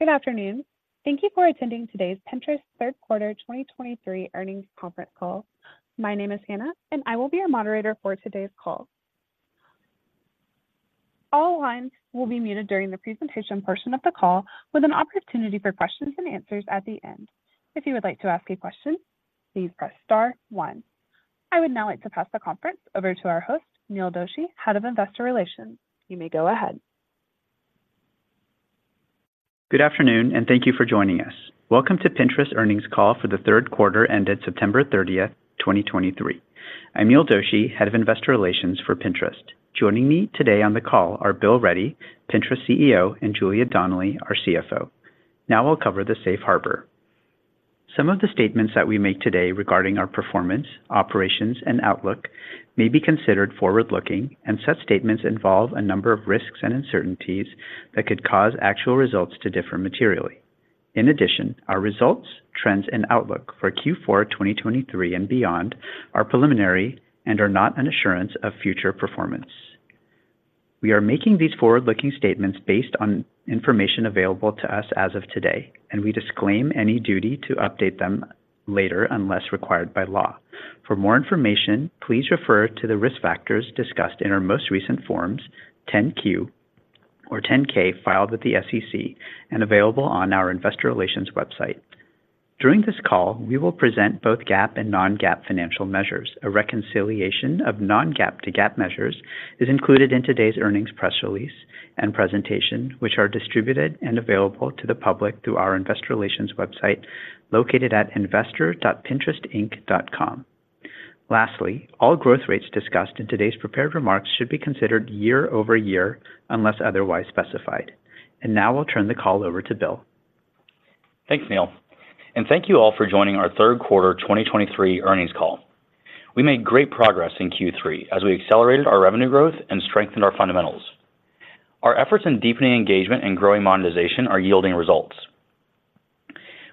Good afternoon. Thank you for attending today's Pinterest third quarter 2023 earnings conference call. My name is Hannah, and I will be your moderator for today's call. All lines will be muted during the presentation portion of the call, with an opportunity for questions and answers at the end. If you would like to ask a question, please press star one. I would now like to pass the conference over to our host, Neil Doshi, Head of Investor Relations. You may go ahead. Good afternoon, and thank you for joining us. Welcome to Pinterest earnings call for the third quarter ended September 30th, 2023. I'm Neil Doshi, Head of Investor Relations for Pinterest. Joining me today on the call are Bill Ready, Pinterest CEO, and Julia Donnelly, our CFO. Now I'll cover the Safe Harbor. Some of the statements that we make today regarding our performance, operations, and outlook may be considered forward-looking, and such statements involve a number of risks and uncertainties that could cause actual results to differ materially. In addition, our results, trends, and outlook for Q4 2023 and beyond are preliminary and are not an assurance of future performance. We are making these forward-looking statements based on information available to us as of today, and we disclaim any duty to update them later unless required by law. For more information, please refer to the risk factors discussed in our most recent Forms 10-Q or 10-K, filed with the SEC and available on our investor relations website. During this call, we will present both GAAP and non-GAAP financial measures. A reconciliation of non-GAAP to GAAP measures is included in today's earnings press release and presentation, which are distributed and available to the public through our investor relations website, located at investor.pinterestinc.com. Lastly, all growth rates discussed in today's prepared remarks should be considered year-over-year, unless otherwise specified. And now I'll turn the call over to Bill. Thanks, Neil, and thank you all for joining our third quarter 2023 earnings call. We made great progress in Q3 as we accelerated our revenue growth and strengthened our fundamentals. Our efforts in deepening engagement and growing monetization are yielding results.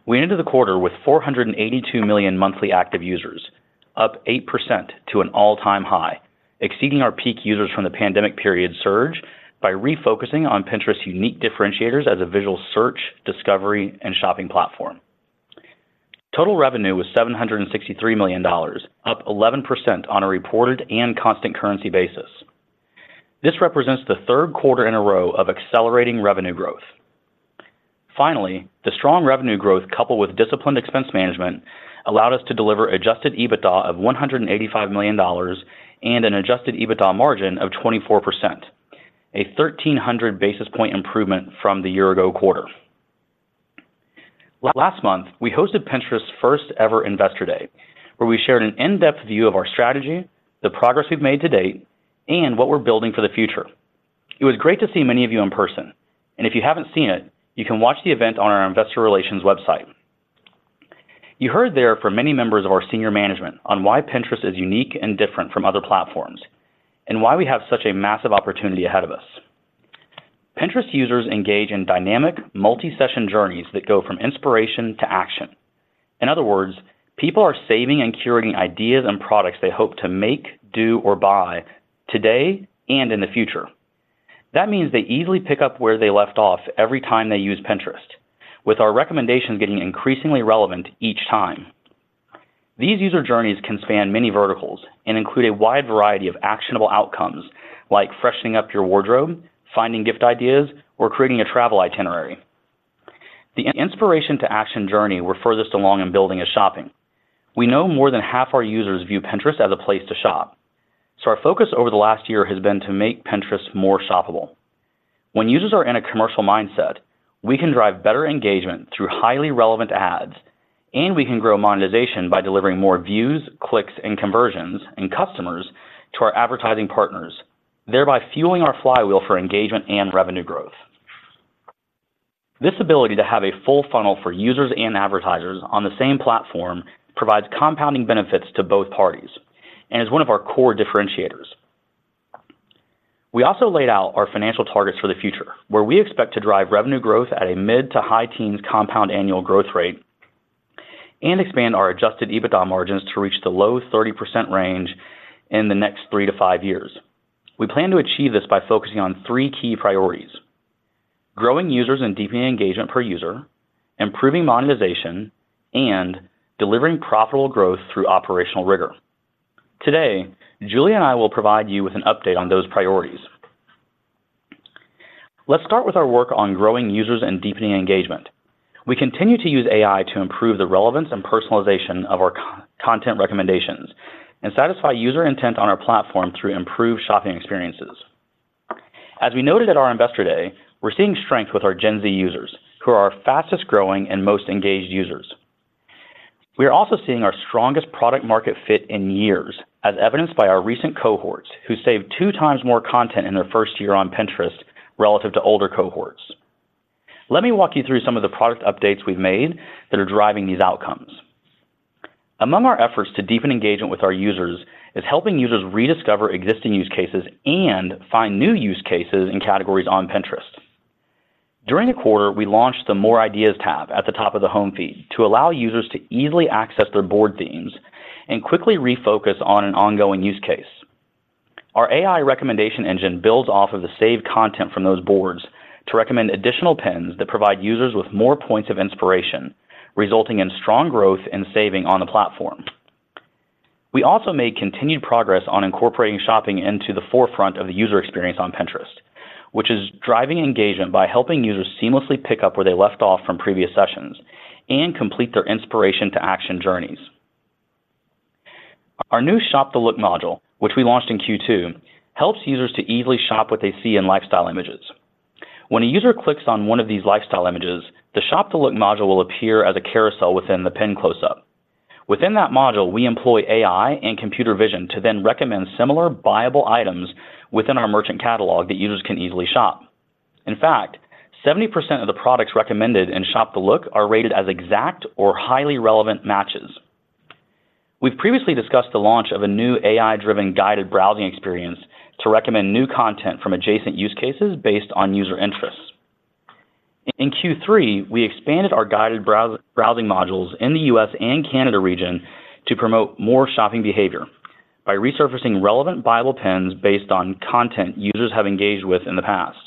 We ended the quarter with 482 million monthly active users, up 8% to an all-time high, exceeding our peak users from the pandemic period surge by refocusing on Pinterest's unique differentiators as a visual search, discovery, and shopping platform. Total revenue was $763 million, up 11% on a reported and constant currency basis. This represents the third quarter in a row of accelerating revenue growth. Finally, the strong revenue growth, coupled with disciplined expense management, allowed us to deliver adjusted EBITDA of $185 million and an adjusted EBITDA margin of 24%, a 1,300 basis point improvement from the year ago quarter. Last month, we hosted Pinterest's first-ever Investor Day, where we shared an in-depth view of our strategy, the progress we've made to date, and what we're building for the future. It was great to see many of you in person, and if you haven't seen it, you can watch the event on our investor relations website. You heard there from many members of our senior management on why Pinterest is unique and different from other platforms, and why we have such a massive opportunity ahead of us. Pinterest users engage in dynamic multi-session journeys that go from inspiration to action. In other words, people are saving and curating ideas and products they hope to make, do, or buy today and in the future. That means they easily pick up where they left off every time they use Pinterest, with our recommendations getting increasingly relevant each time. These user journeys can span many verticals and include a wide variety of actionable outcomes like freshening up your wardrobe, finding gift ideas, or creating a travel itinerary. The inspiration-to-action journey we're furthest along in building is shopping. We know more than half our users view Pinterest as a place to shop, so our focus over the last year has been to make Pinterest more shoppable. When users are in a commercial mindset, we can drive better engagement through highly relevant ads, and we can grow monetization by delivering more views, clicks, and conversions and customers to our advertising partners, thereby fueling our flywheel for engagement and revenue growth. This ability to have a full funnel for users and advertisers on the same platform provides compounding benefits to both parties and is one of our core differentiators. We also laid out our financial targets for the future, where we expect to drive revenue growth at a mid to high teens compound annual growth rate and expand our Adjusted EBITDA margins to reach the low 30% range in the next three-five years. We plan to achieve this by focusing on three key priorities: growing users and deepening engagement per user, improving monetization, and delivering profitable growth through operational rigor. Today, Julia and I will provide you with an update on those priorities. Let's start with our work on growing users and deepening engagement. We continue to use AI to improve the relevance and personalization of our content recommendations and satisfy user intent on our platform through improved shopping experiences. As we noted at our Investor Day, we're seeing strength with our Gen Z users, who are our fastest-growing and most engaged users. We are also seeing our strongest product market fit in years, as evidenced by our recent cohorts, who saved two times more content in their first year on Pinterest relative to older cohorts. Let me walk you through some of the product updates we've made that are driving these outcomes. Among our efforts to deepen engagement with our users is helping users rediscover existing use cases and find new use cases in categories on Pinterest. During the quarter, we launched the More Ideas Tab at the top of the home feed to allow users to easily access their board themes and quickly refocus on an ongoing use case. Our AI recommendation engine builds off of the saved content from those boards to recommend additional pins that provide users with more points of inspiration, resulting in strong growth and saving on the platform. We also made continued progress on incorporating shopping into the forefront of the user experience on Pinterest, which is driving engagement by helping users seamlessly pick up where they left off from previous sessions and complete their inspiration to action journeys. Our new Shop the Look module, which we launched in Q2, helps users to easily shop what they see in lifestyle images. When a user clicks on one of these lifestyle images, the Shop the Look module will appear as a carousel within the pin close-up. Within that module, we employ AI and computer vision to then recommend similar buyable items within our merchant catalog that users can easily shop. In fact, 70% of the products recommended in Shop the Look are rated as exact or highly relevant matches. We've previously discussed the launch of a new AI-driven Guided Browsing experience to recommend new content from adjacent use cases based on user interests. In Q3, we expanded our Guided Browsing modules in the U.S. and Canada region to promote more shopping behavior by resurfacing relevant buyable pins based on content users have engaged with in the past.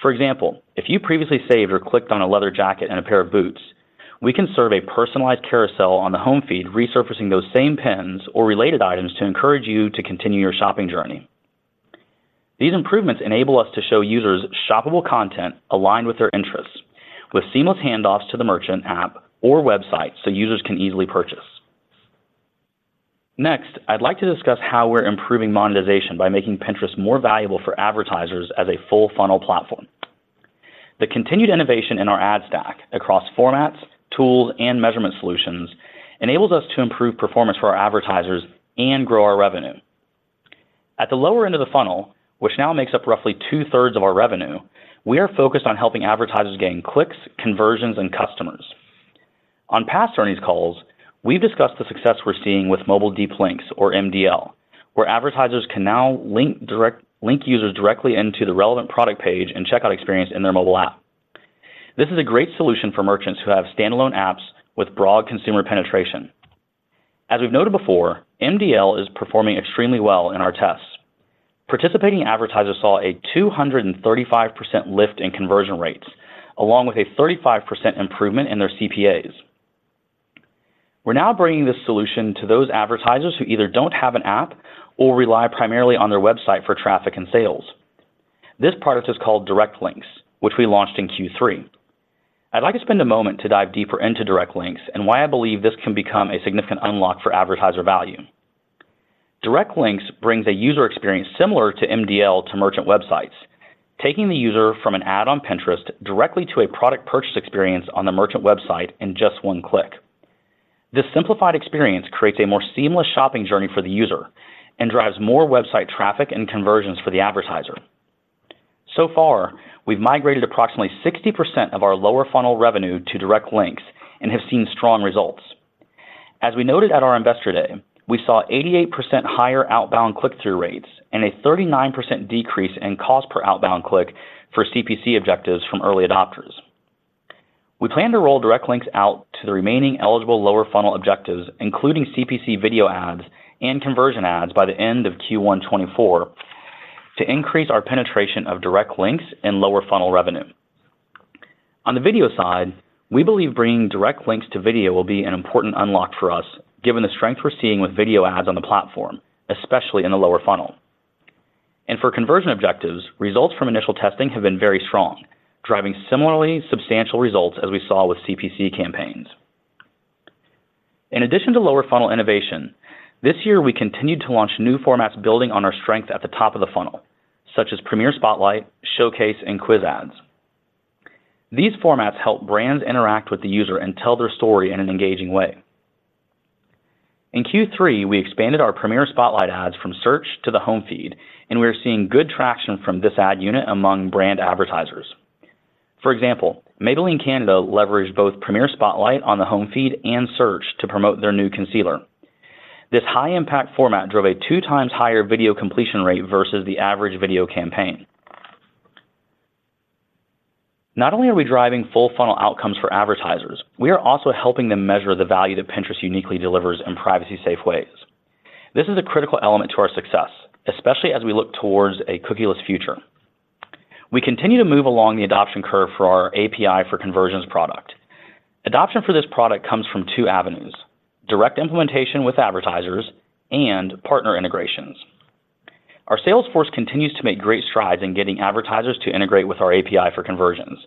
For example, if you previously saved or clicked on a leather jacket and a pair of boots, we can serve a personalized carousel on the home feed, resurfacing those same pins or related items to encourage you to continue your shopping journey. These improvements enable us to show users shoppable content aligned with their interests, with seamless handoffs to the merchant app or website, so users can easily purchase. Next, I'd like to discuss how we're improving monetization by making Pinterest more valuable for advertisers as a full funnel platform. The continued innovation in our ad stack across formats, tools, and measurement solutions enables us to improve performance for our advertisers and grow our revenue. At the lower end of the funnel, which now makes up roughly two-thirds of our revenue, we are focused on helping advertisers gain clicks, conversions, and customers. On past earnings calls, we've discussed the success we're seeing with Mobile Deep Links, or MDL, where advertisers can now link users directly into the relevant product page and checkout experience in their mobile app. This is a great solution for merchants who have standalone apps with broad consumer penetration. As we've noted before, MDL is performing extremely well in our tests. Participating advertisers saw a 235% lift in conversion rates, along with a 35% improvement in their CPAs. We're now bringing this solution to those advertisers who either don't have an app or rely primarily on their website for traffic and sales. This product is called Direct Links, which we launched in Q3. I'd like to spend a moment to dive deeper into Direct Links and why I believe this can become a significant unlock for advertiser value. Direct Links brings a user experience similar to MDL to merchant websites, taking the user from an ad on Pinterest directly to a product purchase experience on the merchant website in just one click. This simplified experience creates a more seamless shopping journey for the user and drives more website traffic and conversions for the advertiser. So far, we've migrated approximately 60% of our lower funnel revenue to Direct Links and have seen strong results. As we noted at our Investor Day, we saw 88% higher outbound click-through rates and a 39% decrease in cost per outbound click for CPC objectives from early adopters. We plan to roll Direct Links out to the remaining eligible lower funnel objectives, including CPC video ads and conversion ads, by the end of Q1 2024 to increase our penetration of Direct Links and lower funnel revenue. On the video side, we believe bringing Direct Links to video will be an important unlock for us, given the strength we're seeing with video ads on the platform, especially in the lower funnel. For conversion objectives, results from initial testing have been very strong, driving similarly substantial results as we saw with CPC campaigns. In addition to lower funnel innovation, this year, we continued to launch new formats building on our strength at the top of the funnel, such as Premiere Spotlight, Showcase, and Quiz ads. These formats help brands interact with the user and tell their story in an engaging way. In Q3, we expanded our Premiere Spotlight ads from search to the home feed, and we are seeing good traction from this ad unit among brand advertisers. For example, Maybelline Canada leveraged both Premiere Spotlight on the home feed and search to promote their new concealer. This high impact format drove a two times higher video completion rate versus the average video campaign. Not only are we driving full funnel outcomes for advertisers, we are also helping them measure the value that Pinterest uniquely delivers in privacy-safe ways. This is a critical element to our success, especially as we look towards a cookieless future. We continue to move along the adoption curve for our API for Conversions product. Adoption for this product comes from two avenues: direct implementation with advertisers and partner integrations. Our sales force continues to make great strides in getting advertisers to integrate with our API for Conversions,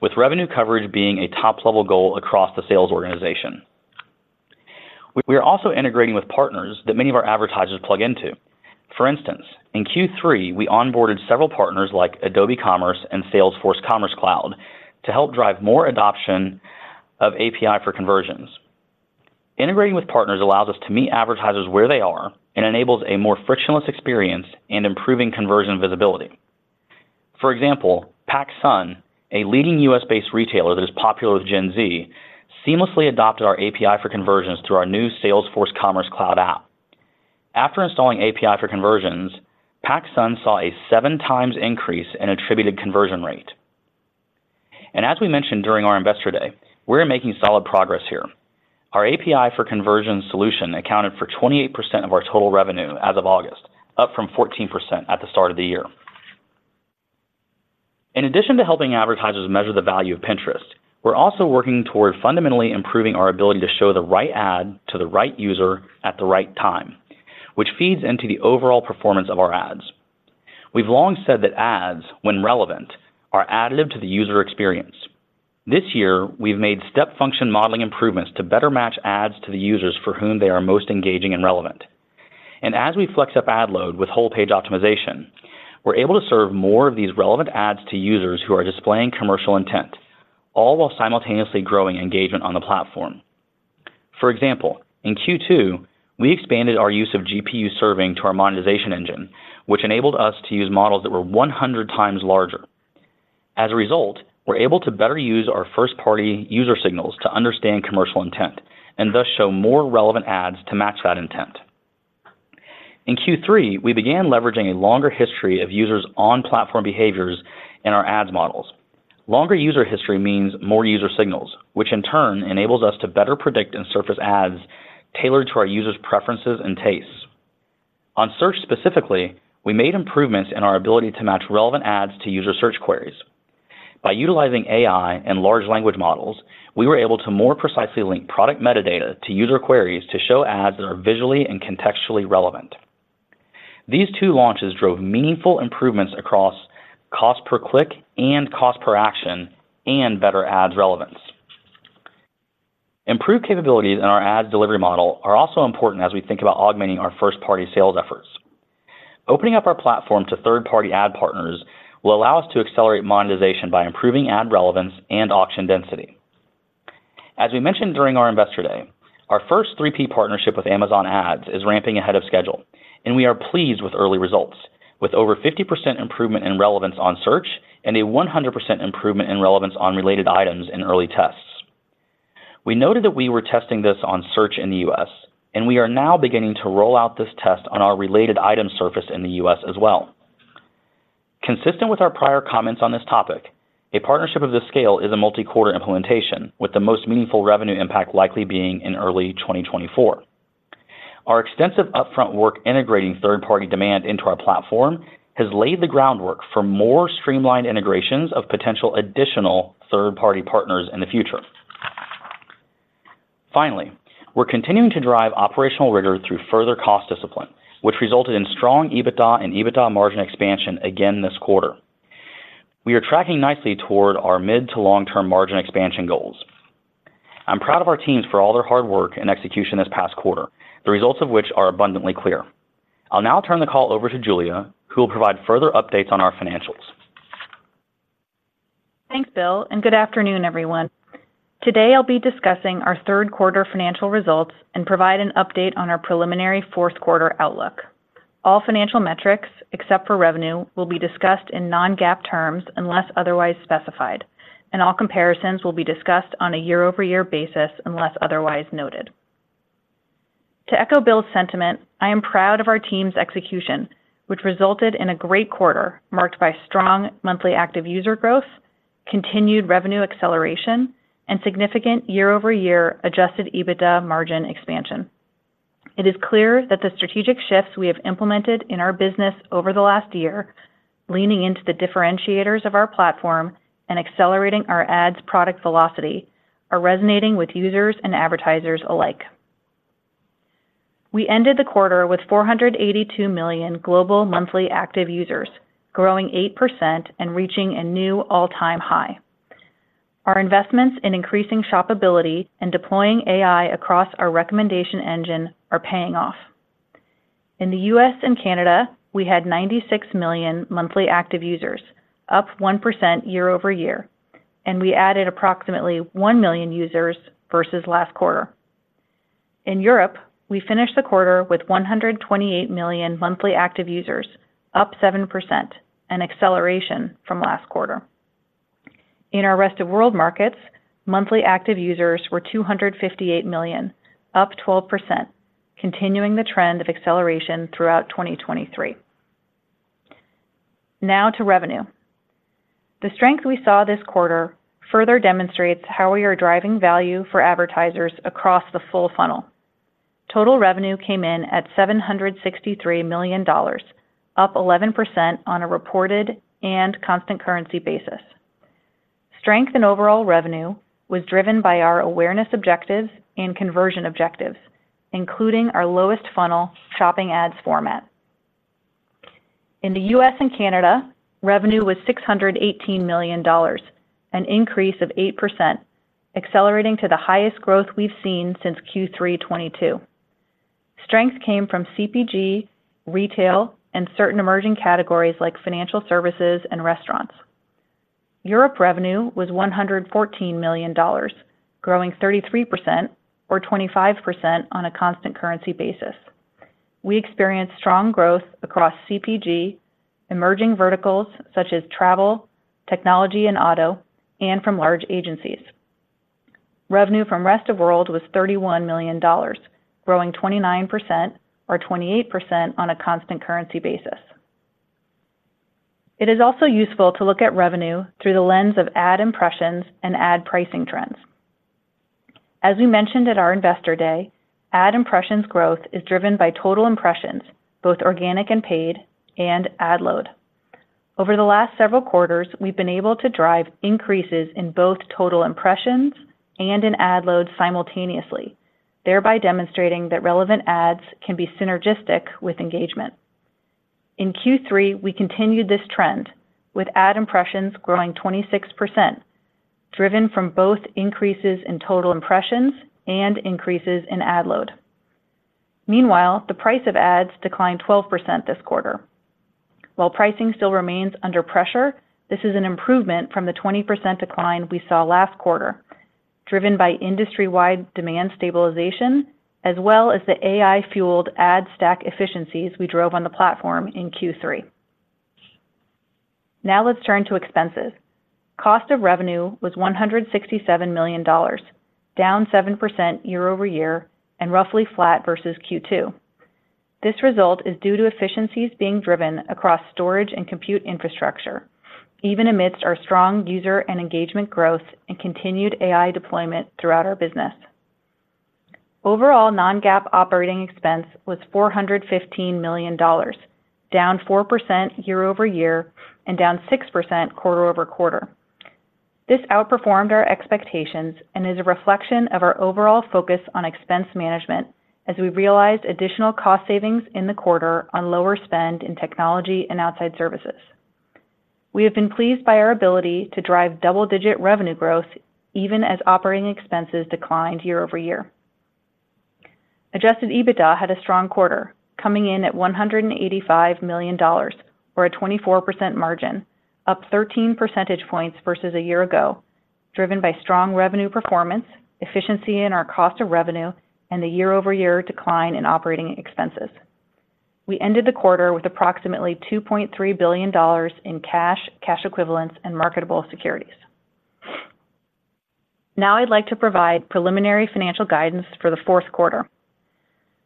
with revenue coverage being a top-level goal across the sales organization. We are also integrating with partners that many of our advertisers plug into. For instance, in Q3, we onboarded several partners like Adobe Commerce and Salesforce Commerce Cloud to help drive more adoption of API for Conversions. Integrating with partners allows us to meet advertisers where they are and enables a more frictionless experience and improving conversion visibility. For example, PacSun, a leading U.S.-based retailer that is popular with Gen Z, seamlessly adopted our API for Conversions through our new Salesforce Commerce Cloud app. After installing API for Conversions, PacSun saw a 7x increase in attributed conversion rate. As we mentioned during our Investor Day, we're making solid progress here. Our API for Conversion solution accounted for 28% of our total revenue as of August, up from 14% at the start of the year. In addition to helping advertisers measure the value of Pinterest, we're also working toward fundamentally improving our ability to show the right ad to the right user at the right time, which feeds into the overall performance of our ads. We've long said that ads, when relevant, are additive to the user experience. This year, we've made step function modeling improvements to better match ads to the users for whom they are most engaging and relevant. As we flex up ad load with Whole Page Optimization, we're able to serve more of these relevant ads to users who are displaying commercial intent, all while simultaneously growing engagement on the platform. For example, in Q2, we expanded our use of GPU Serving to our monetization engine, which enabled us to use models that were 100 times larger. As a result, we're able to better use our first-party user signals to understand commercial intent, and thus show more relevant ads to match that intent. In Q3, we began leveraging a longer history of users on platform behaviors in our ads models. Longer user history means more user signals, which in turn enables us to better predict and surface ads tailored to our users' preferences and tastes. On search specifically, we made improvements in our ability to match relevant ads to user search queries. By utilizing AI and Large Language Models, we were able to more precisely link product metadata to user queries to show ads that are visually and contextually relevant. These two launches drove meaningful improvements across cost per click and cost per action and better ads relevance. Improved capabilities in our ad delivery model are also important as we think about augmenting our first-party sales efforts. Opening up our platform to third-party ad partners will allow us to accelerate monetization by improving ad relevance and auction density. As we mentioned during our Investor Day, our first 3P partnership with Amazon Ads is ramping ahead of schedule, and we are pleased with early results, with over 50% improvement in relevance on search and a 100% improvement in relevance on related items in early tests. We noted that we were testing this on search in the U.S., and we are now beginning to roll out this test on our related item surface in the U.S. as well. Consistent with our prior comments on this topic, a partnership of this scale is a multi-quarter implementation, with the most meaningful revenue impact likely being in early 2024. Our extensive upfront work integrating third-party demand into our platform has laid the groundwork for more streamlined integrations of potential additional third-party partners in the future. Finally, we're continuing to drive operational rigor through further cost discipline, which resulted in strong EBITDA and EBITDA margin expansion again this quarter. We are tracking nicely toward our mid to long-term margin expansion goals. I'm proud of our teams for all their hard work and execution this past quarter, the results of which are abundantly clear. I'll now turn the call over to Julia, who will provide further updates on our financials. Thanks, Bill, and good afternoon, everyone. Today, I'll be discussing our third quarter financial results and provide an update on our preliminary fourth quarter outlook. All financial metrics, except for revenue, will be discussed in non-GAAP terms unless otherwise specified, and all comparisons will be discussed on a year-over-year basis unless otherwise noted. To echo Bill's sentiment, I am proud of our team's execution, which resulted in a great quarter marked by strong monthly active user growth, continued revenue acceleration, and significant year-over-year adjusted EBITDA margin expansion. It is clear that the strategic shifts we have implemented in our business over the last year, leaning into the differentiators of our platform and accelerating our ads product velocity, are resonating with users and advertisers alike. We ended the quarter with 482 million global monthly active users, growing 8% and reaching a new all-time high. Our investments in increasing shoppability and deploying AI across our recommendation engine are paying off. In the U.S. and Canada, we had 96 million monthly active users, up 1% year-over-year, and we added approximately 1 million users versus last quarter. In Europe, we finished the quarter with 128 million monthly active users, up 7%, an acceleration from last quarter. In our Rest of World markets, monthly active users were 258 million, up 12%, continuing the trend of acceleration throughout 2023. Now to revenue. The strength we saw this quarter further demonstrates how we are driving value for advertisers across the full funnel. Total revenue came in at $763 million, up 11% on a reported and constant currency basis. Strength in overall revenue was driven by our awareness objectives and conversion objectives, including our lowest funnel shopping ads format. In the U.S. and Canada, revenue was $618 million, an increase of 8%, accelerating to the highest growth we've seen since Q3 2022. Strength came from CPG, retail, and certain emerging categories like financial services and restaurants. Europe revenue was $114 million, growing 33% or 25% on a constant currency basis. We experienced strong growth across CPG, emerging verticals such as travel, technology, and auto, and from large agencies.... Revenue from Rest of World was $31 million, growing 29% or 28% on a constant currency basis. It is also useful to look at revenue through the lens of ad impressions and ad pricing trends. As we mentioned at our Investor Day, ad impressions growth is driven by total impressions, both organic and paid, and ad load. Over the last several quarters, we've been able to drive increases in both total impressions and in ad load simultaneously, thereby demonstrating that relevant ads can be synergistic with engagement. In Q3, we continued this trend, with ad impressions growing 26%, driven from both increases in total impressions and increases in ad load. Meanwhile, the price of ads declined 12% this quarter. While pricing still remains under pressure, this is an improvement from the 20% decline we saw last quarter, driven by industry-wide demand stabilization, as well as the AI-fueled ad stack efficiencies we drove on the platform in Q3. Now let's turn to expenses. Cost of revenue was $167 million, down 7% year-over-year and roughly flat versus Q2. This result is due to efficiencies being driven across storage and compute infrastructure, even amidst our strong user and engagement growth and continued AI deployment throughout our business. Overall, non-GAAP operating expense was $415 million, down 4% year-over-year and down 6% quarter-over-quarter. This outperformed our expectations and is a reflection of our overall focus on expense management as we realized additional cost savings in the quarter on lower spend in technology and outside services. We have been pleased by our ability to drive double-digit revenue growth even as operating expenses declined year-over-year. Adjusted EBITDA had a strong quarter, coming in at $185 million, or a 24% margin, up 13 percentage points versus a year ago, driven by strong revenue performance, efficiency in our cost of revenue, and a year-over-year decline in operating expenses. We ended the quarter with approximately $2.3 billion in cash, cash equivalents, and marketable securities. Now I'd like to provide preliminary financial guidance for the fourth quarter.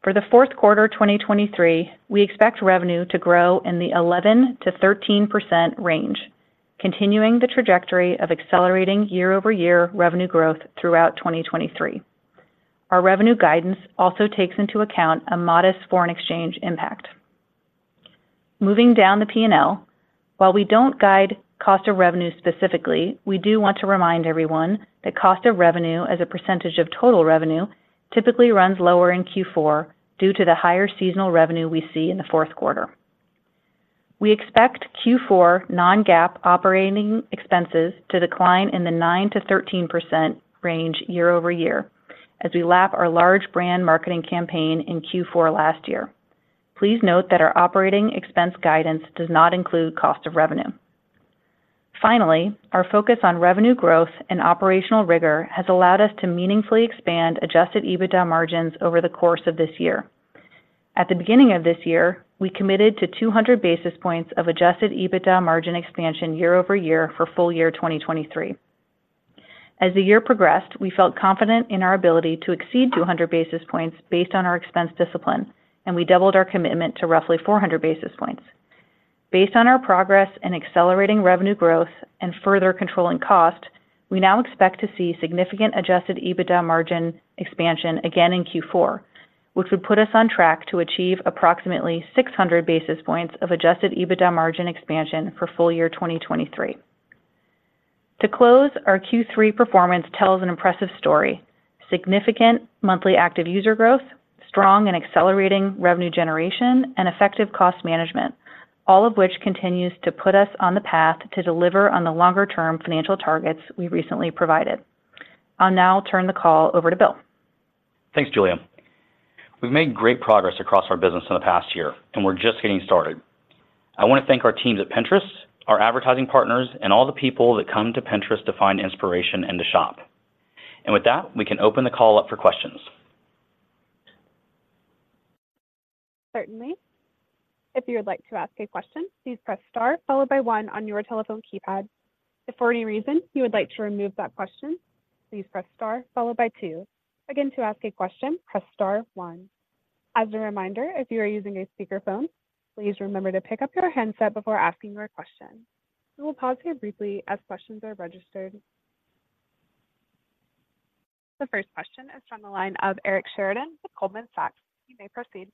For the fourth quarter of 2023, we expect revenue to grow in the 11%-13% range, continuing the trajectory of accelerating year-over-year revenue growth throughout 2023. Our revenue guidance also takes into account a modest foreign exchange impact. Moving down the P&L, while we don't guide cost of revenue specifically, we do want to remind everyone that cost of revenue as a percentage of total revenue typically runs lower in Q4 due to the higher seasonal revenue we see in the fourth quarter. We expect Q4 non-GAAP operating expenses to decline in the 9%-13% range year-over-year as we lap our large brand marketing campaign in Q4 last year. Please note that our operating expense guidance does not include cost of revenue. Finally, our focus on revenue growth and operational rigor has allowed us to meaningfully expand adjusted EBITDA margins over the course of this year. At the beginning of this year, we committed to 200 basis points of adjusted EBITDA margin expansion year-over-year for full year 2023. As the year progressed, we felt confident in our ability to exceed 200 basis points based on our expense discipline, and we doubled our commitment to roughly 400 basis points. Based on our progress in accelerating revenue growth and further controlling cost, we now expect to see significant Adjusted EBITDA margin expansion again in Q4, which would put us on track to achieve approximately 600 basis points of Adjusted EBITDA margin expansion for full year 2023. To close, our Q3 performance tells an impressive story: significant monthly active user growth, strong and accelerating revenue generation, and effective cost management, all of which continues to put us on the path to deliver on the longer-term financial targets we recently provided. I'll now turn the call over to Bill. Thanks, Julia. We've made great progress across our business in the past year, and we're just getting started. I want to thank our teams at Pinterest, our advertising partners, and all the people that come to Pinterest to find inspiration and to shop. With that, we can open the call up for questions. Certainly. If you would like to ask a question, please press star followed by one on your telephone keypad. If for any reason you would like to remove that question, please press star followed by two. Again, to ask a question, press star one. As a reminder, if you are using a speakerphone, please remember to pick up your handset before asking your question. We will pause here briefly as questions are registered. The first question is from the line of Eric Sheridan with Goldman Sachs. You may proceed.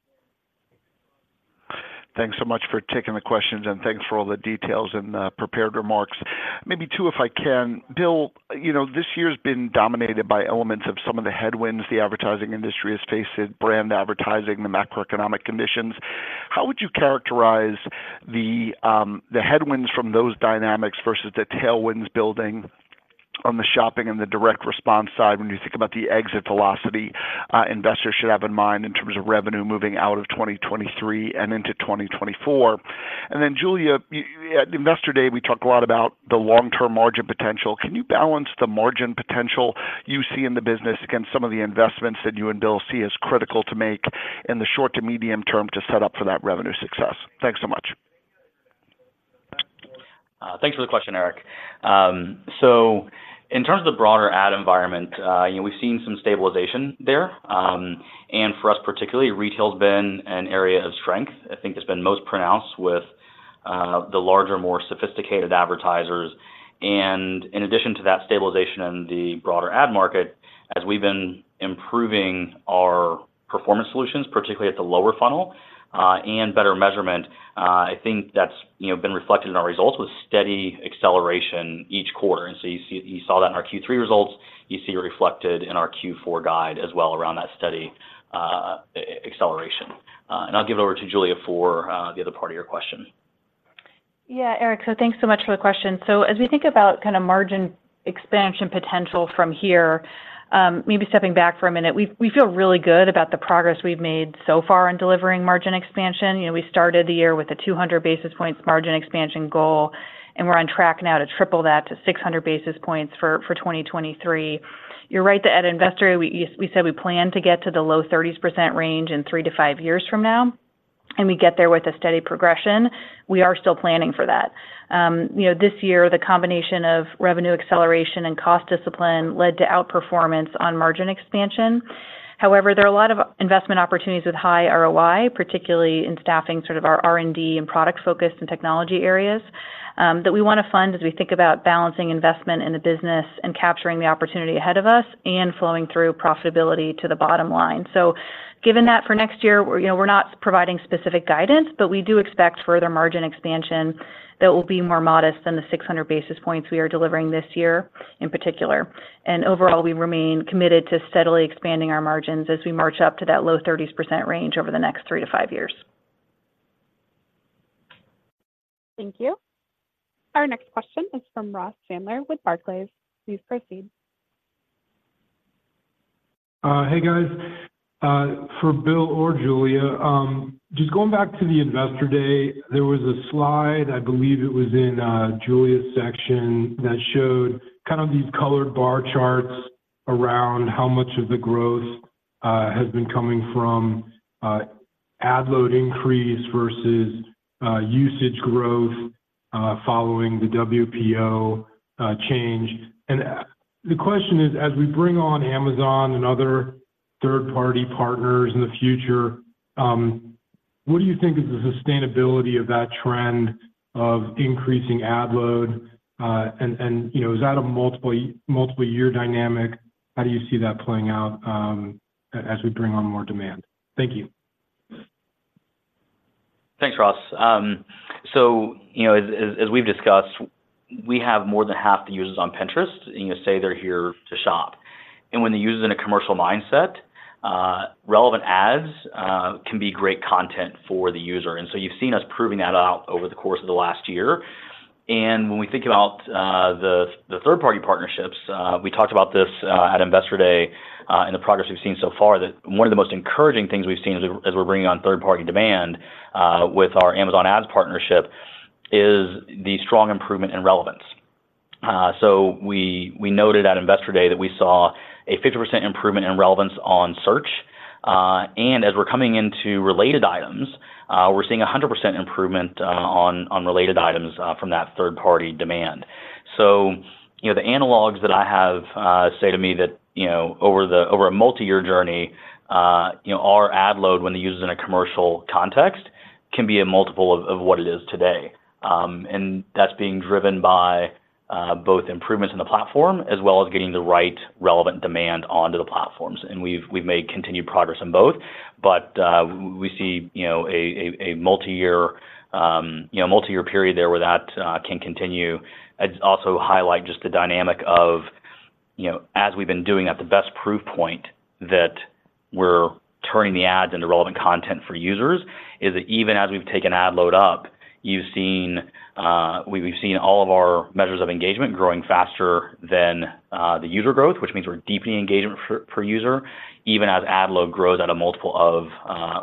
Thanks so much for taking the questions, and thanks for all the details and prepared remarks. Maybe two, if I can. Bill, you know, this year's been dominated by elements of some of the headwinds the advertising industry has faced in brand advertising, the macroeconomic conditions. How would you characterize the headwinds from those dynamics versus the tailwinds building on the shopping and the direct response side when you think about the exit velocity investors should have in mind in terms of revenue moving out of 2023 and into 2024? And then, Julia, at Investor Day, we talked a lot about the long-term margin potential. Can you balance the margin potential you see in the business against some of the investments that you and Bill see as critical to make in the short to medium term to set up for that revenue success? Thanks so much. Thanks for the question, Eric. So in terms of the broader ad environment, you know, we've seen some stabilization there. And for us, particularly, retail's been an area of strength. I think it's been most pronounced with the larger, more sophisticated advertisers. And in addition to that stabilization in the broader ad market, as we've been improving our performance solutions, particularly at the lower funnel, and better measurement, I think that's, you know, been reflected in our results with steady acceleration each quarter. And so you saw that in our Q3 results. You see it reflected in our Q4 guide as well, around that steady acceleration. And I'll give it over to Julia for the other part of your question. Yeah, Eric, so thanks so much for the question. So as we think about kind of margin expansion potential from here, maybe stepping back for a minute, we feel really good about the progress we've made so far in delivering margin expansion. You know, we started the year with a 200 basis points margin expansion goal, and we're on track now to triple that to 600 basis points for 2023. You're right that at Investor Day, we said we plan to get to the low 30s% range in three to five years from now, and we get there with a steady progression. We are still planning for that. You know, this year, the combination of revenue acceleration and cost discipline led to outperformance on margin expansion. However, there are a lot of investment opportunities with high ROI, particularly in staffing, sort of our R&D and product focus and technology areas, that we want to fund as we think about balancing investment in the business and capturing the opportunity ahead of us and flowing through profitability to the bottom line. So given that for next year, we're, you know, we're not providing specific guidance, but we do expect further margin expansion that will be more modest than the 600 basis points we are delivering this year in particular. Overall, we remain committed to steadily expanding our margins as we march up to that low 30s% range over the next three-five years. Thank you. Our next question is from Ross Sandler with Barclays. Please proceed. Hey, guys. For Bill or Julia, just going back to the Investor Day, there was a slide, I believe it was in Julia's section, that showed kind of these colored bar charts around how much of the growth has been coming from ad load increase versus usage growth following the WPO change. The question is, as we bring on Amazon and other third-party partners in the future, what do you think is the sustainability of that trend of increasing ad load? You know, is that a multiple, multiple year dynamic? How do you see that playing out as we bring on more demand? Thank you. Thanks, Ross. So you know, as we've discussed, we have more than half the users on Pinterest, and you say they're here to shop. And when the user's in a commercial mindset, relevant ads can be great content for the user. And so you've seen us proving that out over the course of the last year. And when we think about the third-party partnerships, we talked about this at Investor Day, and the progress we've seen so far, that one of the most encouraging things we've seen as we're bringing on third-party demand with our Amazon Ads partnership is the strong improvement in relevance. So we noted at Investor Day that we saw a 50% improvement in relevance on search, and as we're coming into related items, we're seeing a 100% improvement on related items from that third-party demand. So, you know, the analogs that I have say to me that, you know, over a multi-year journey, you know, our ad load when the user's in a commercial context can be a multiple of what it is today. And that's being driven by both improvements in the platform, as well as getting the right relevant demand onto the platforms. And we've made continued progress on both, but we see, you know, a multiyear period there where that can continue. I'd also highlight just the dynamic of, you know, as we've been doing that, the best proof point that we're turning the ads into relevant content for users is that even as we've taken ad load up, you've seen, we've seen all of our measures of engagement growing faster than the user growth, which means we're deepening engagement for, per user, even as ad load grows at a multiple of,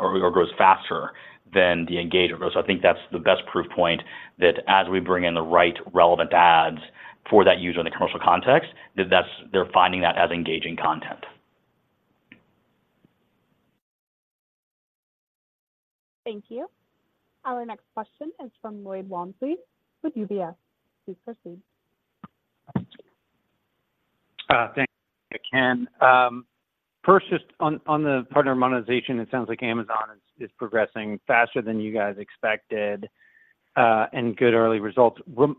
or grows faster than the engagement growth. So I think that's the best proof point that as we bring in the right relevant ads for that user in the commercial context, that that's they're finding that as engaging content. Thank you. Our next question is from Lloyd Walmsley with UBS. Please proceed. Thanks, Ken. First, just on the partner monetization, it sounds like Amazon is progressing faster than you guys expected, and good early results.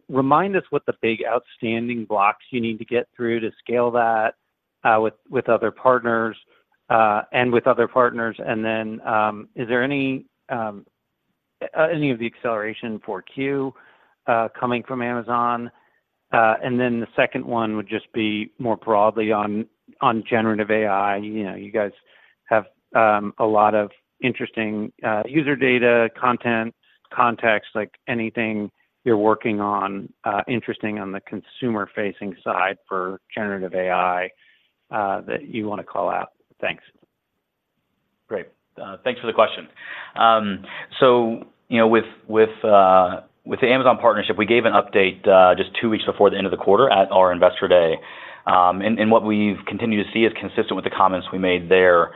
Remind us what the big outstanding blocks you need to get through to scale that, with other partners, and with other partners, and then, is there any of the acceleration for Q coming from Amazon? And then the second one would just be more broadly on generative AI. You know, you guys have a lot of interesting user data, content, context, like anything you're working on, interesting on the consumer-facing side for generative AI, that you want to call out? Thanks. Great. Thanks for the question. So, you know, with the Amazon partnership, we gave an update just two weeks before the end of the quarter at our Investor Day. And what we've continued to see is consistent with the comments we made there.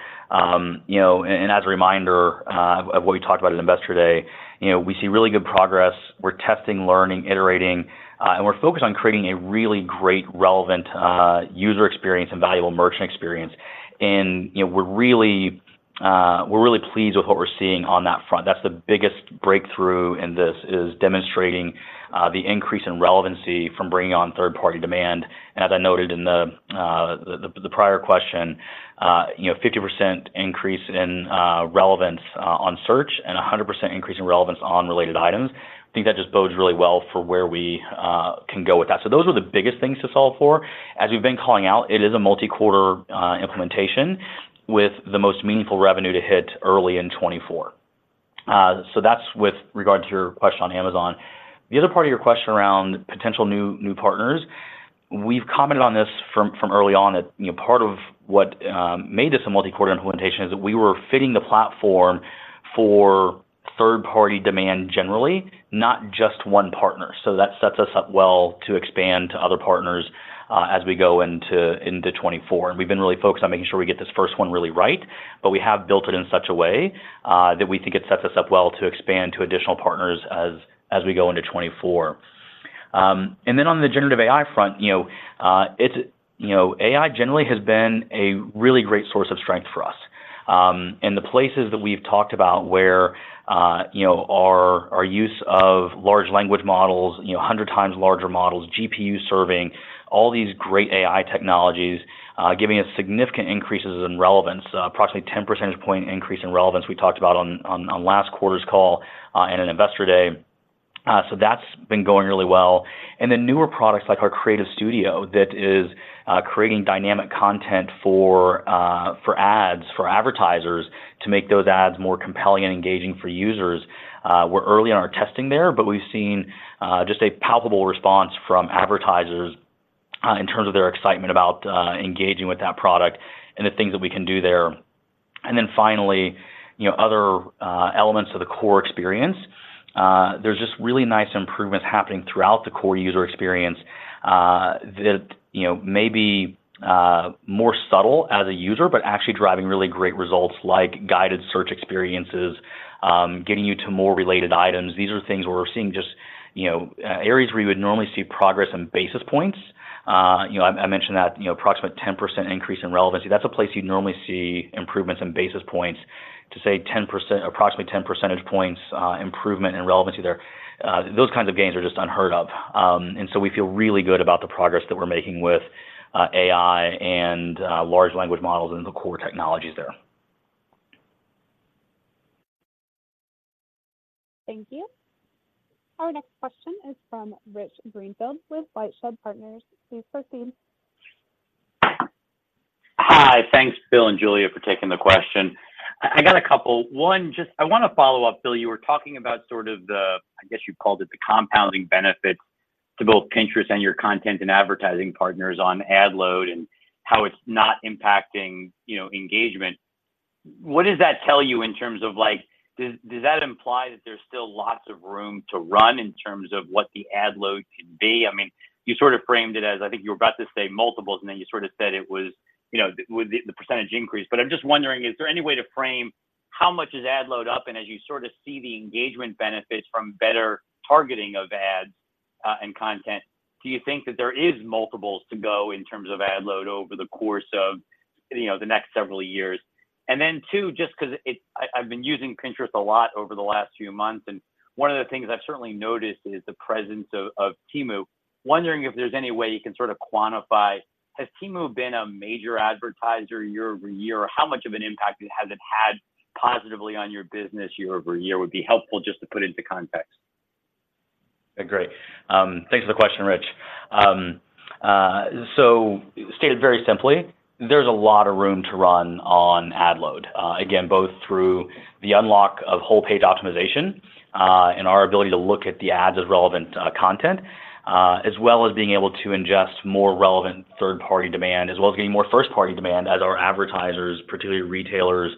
You know, and as a reminder of what we talked about at Investor Day, you know, we see really good progress. We're testing, learning, iterating, and we're focused on creating a really great, relevant user experience and valuable merchant experience. And, you know, we're really, we're really pleased with what we're seeing on that front. That's the biggest breakthrough in this, is demonstrating the increase in relevancy from bringing on third-party demand. As I noted in the prior question, you know, 50% increase in relevance on search and a 100% increase in relevance on related items. I think that just bodes really well for where we can go with that. So those are the biggest things to solve for. As we've been calling out, it is a multi-quarter implementation with the most meaningful revenue to hit early in 2024. So that's with regard to your question on Amazon. The other part of your question around potential new partners, we've commented on this from early on, that, you know, part of what made this a multi-quarter implementation is that we were fitting the platform for third-party demand generally, not just one partner. So that sets us up well to expand to other partners, as we go into 2024. And we've been really focused on making sure we get this first one really right, but we have built it in such a way, that we think it sets us up well to expand to additional partners as we go into 2024. And then on the generative AI front, you know, it's, you know, AI generally has been a really great source of strength for us. And the places that we've talked about where, you know, our use of large language models, you know, 100 times larger models, GPU serving, all these great AI technologies, giving us significant increases in relevance, approximately 10 percentage point increase in relevance we talked about on last quarter's call, and in Investor Day. So that's been going really well. And then newer products like our Creative Studio, that is, creating dynamic content for, for ads, for advertisers, to make those ads more compelling and engaging for users. We're early on our testing there, but we've seen just a palpable response from advertisers in terms of their excitement about engaging with that product and the things that we can do there. And then finally, you know, other elements of the core experience. There's just really nice improvements happening throughout the core user experience that, you know, may be more subtle as a user, but actually driving really great results, like guided search experiences, getting you to more related items. These are things where we're seeing just, you know, areas where you would normally see progress on basis points. You know, I mentioned that, you know, approximate 10% increase in relevancy. That's a place you'd normally see improvements in basis points. To say 10%, approximately 10 percentage points, improvement in relevancy there, those kinds of gains are just unheard of. And so we feel really good about the progress that we're making with AI and large language models and the core technologies there. Thank you. Our next question is from Rich Greenfield with Lightshed Partners. Please proceed. Hi. Thanks, Bill and Julia, for taking the question. I got a couple. One, just I want to follow up, Bill, you were talking about sort of the... I guess you called it the compounding benefits to both Pinterest and your content and advertising partners on ad load and how it's not impacting, you know, engagement. What does that tell you in terms of, like, does that imply that there's still lots of room to run in terms of what the ad load could be? I mean, you sort of framed it as I think you were about to say multiples, and then you sort of said it was, you know, with the percentage increase. But I'm just wondering, is there any way to frame how much is ad load up? As you sort of see the engagement benefits from better targeting of ads, and content, do you think that there is multiples to go in terms of ad load over the course of, you know, the next several years? And then, two, just because I've been using Pinterest a lot over the last few months, and one of the things I've certainly noticed is the presence of Temu. Wondering if there's any way you can sort of quantify, has Temu been a major advertiser year-over-year? Or how much of an impact has it had positively on your business year-over-year, would be helpful just to put into context. Great. Thanks for the question, Rich. So stated very simply, there's a lot of room to run on ad load. Again, both through the unlock of Whole Page Optimization, and our ability to look at the ads as relevant content, as well as being able to ingest more relevant third-party demand, as well as getting more first-party demand as our advertisers, particularly retailers,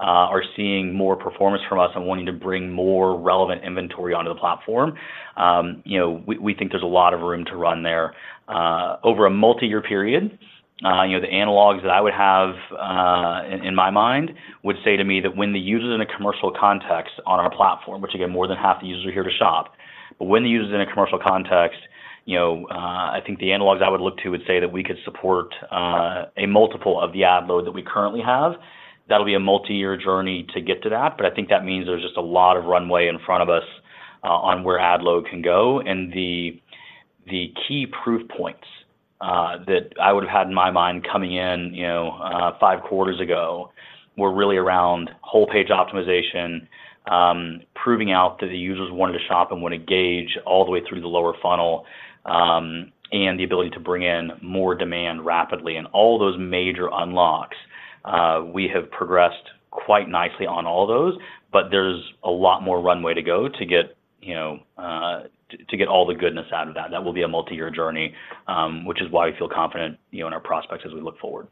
are seeing more performance from us and wanting to bring more relevant inventory onto the platform. You know, we think there's a lot of room to run there. Over a multi-year period, you know, the analogs that I would have in my mind would say to me that when the user is in a commercial context on our platform, which again, more than half the users are here to shop, but when the user is in a commercial context, you know, I think the analogs I would look to would say that we could support a multiple of the ad load that we currently have. That'll be a multi-year journey to get to that, but I think that means there's just a lot of runway in front of us on where ad load can go. The key proof points that I would have had in my mind coming in, you know, five quarters ago, were really around Whole Page Optimization, proving out that the users wanted to shop and want to engage all the way through the lower funnel, and the ability to bring in more demand rapidly and all those major unlocks. We have progressed quite nicely on all those, but there's a lot more runway to go to get, you know, to get all the goodness out of that. That will be a multi-year journey, which is why we feel confident, you know, in our prospects as we look forward.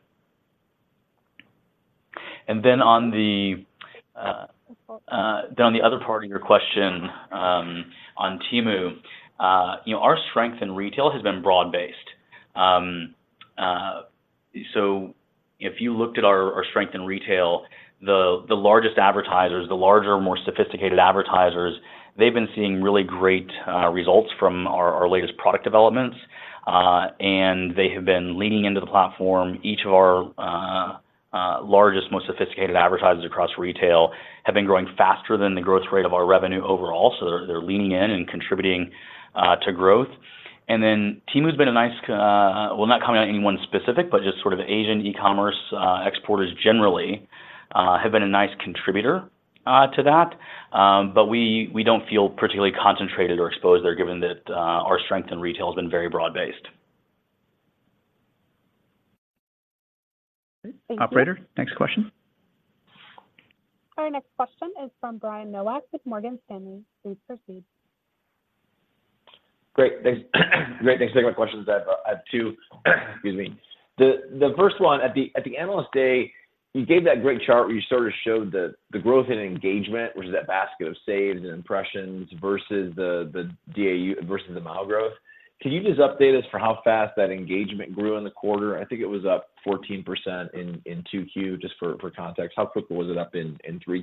Then on the other part of your question, on Temu, you know, our strength in retail has been broad-based. So if you looked at our strength in retail, the largest advertisers, the larger, more sophisticated advertisers, they've been seeing really great results from our latest product developments, and they have been leaning into the platform. Each of our largest, most sophisticated advertisers across retail have been growing faster than the growth rate of our revenue overall, so they're leaning in and contributing to growth. And then Temu's been a nice, well, not commenting on any one specific, but just sort of Asian e-commerce exporters generally have been a nice contributor to that. But we don't feel particularly concentrated or exposed there, given that our strength in retail has been very broad-based. Thank you. Operator, next question. Our next question is from Brian Nowak with Morgan Stanley. Please proceed. Great. Thanks. Great, thanks for taking my questions. I have two. Excuse me. The first one, at the Analyst Day, you gave that great chart where you sort of showed the growth in engagement, which is that basket of saves and impressions versus the DAU versus the MAU growth. Can you just update us for how fast that engagement grew in the quarter? I think it was up 14% in Q2, just for context. How quickly was it up in Q3?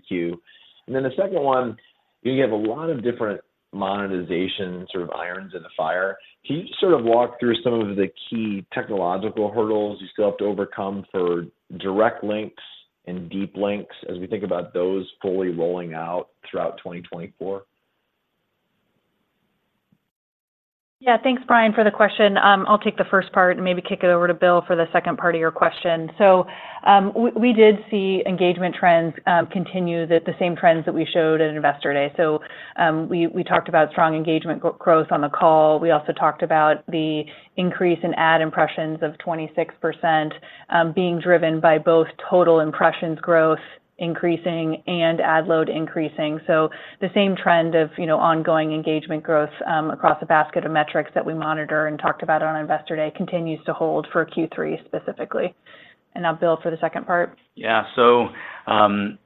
And then the second one, you have a lot of different monetization sort of irons in the fire. Can you sort of walk through some of the key technological hurdles you still have to overcome for Direct Links and deep links, as we think about those fully rolling out throughout 2024? Yeah. Thanks, Brian, for the question. I'll take the first part and maybe kick it over to Bill for the second part of your question. So, we did see engagement trends continue the same trends that we showed at Investor Day. So, we talked about strong engagement growth on the call. We also talked about the increase in ad impressions of 26%, being driven by both total impressions growth increasing and ad load increasing. So the same trend of, you know, ongoing engagement growth across a basket of metrics that we monitor and talked about on Investor Day continues to hold for Q3 specifically. And now, Bill, for the second part. Yeah. So,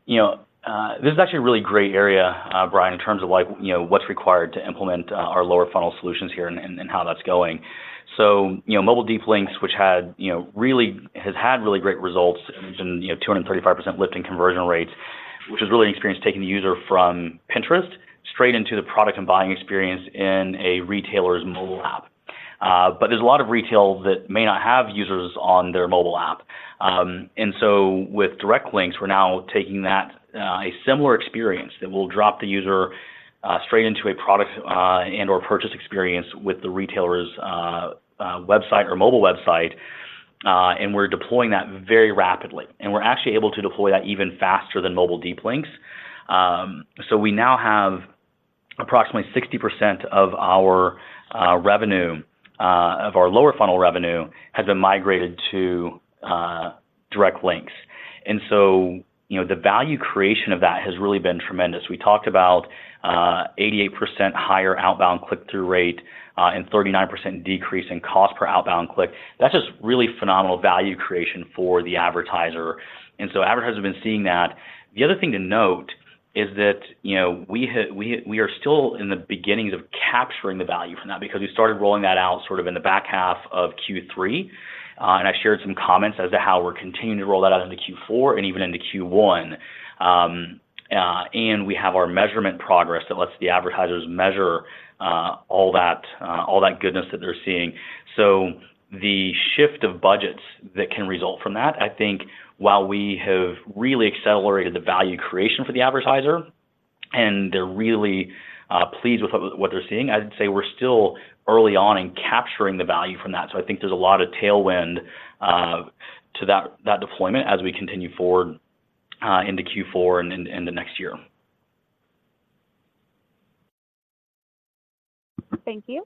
you know, this is actually a really great area, Brian, in terms of like, you know, what's required to implement our lower funnel solutions here and how that's going. So, you know, Mobile Deep Links, which has had really great results and, you know, 235% lift in conversion rates, which is really an experience taking the user from Pinterest straight into the product and buying experience in a retailer's mobile app. But there's a lot of retailers that may not have users on their mobile app. And so with Direct Links, we're now taking that, a similar experience that will drop the user straight into a product and/or purchase experience with the retailer's website or mobile website, and we're deploying that very rapidly. We're actually able to deploy that even faster than Mobile Deep Links. So we now have approximately 60% of our revenue, of our lower funnel revenue has been migrated to Direct Links. And so, you know, the value creation of that has really been tremendous. We talked about 88% higher outbound click-through rate and 39% decrease in cost per outbound click. That's just really phenomenal value creation for the advertiser, and so advertisers have been seeing that. The other thing to note is that, you know, we are still in the beginnings of capturing the value from that, because we started rolling that out sort of in the back half of Q3. And I shared some comments as to how we're continuing to roll that out into Q4 and even into Q1. We have our measurement progress that lets the advertisers measure all that goodness that they're seeing. So the shift of budgets that can result from that, I think while we have really accelerated the value creation for the advertiser, and they're really pleased with what they're seeing, I'd say we're still early on in capturing the value from that. So I think there's a lot of tailwind to that deployment as we continue forward into Q4 and the next year. Thank you.